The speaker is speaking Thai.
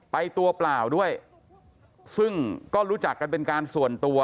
ตัวเปล่าด้วยซึ่งก็รู้จักกันเป็นการส่วนตัว